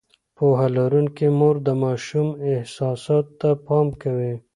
پوهه لرونکې مور د ماشوم احساساتو ته پام کوي.